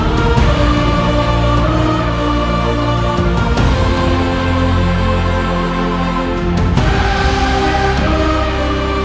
tuhan yang terbaik